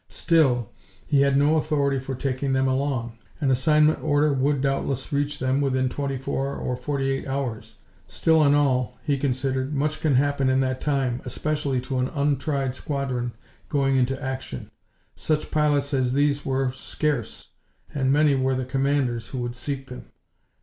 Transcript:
Still, he had no authority for taking them along. An assignment order would doubtless reach them within twenty four or forty eight hours. Still and all, he considered, much can happen in that time especially to an untried squadron going into action. Such pilots as these were scarce, and many were the commanders who would seek them.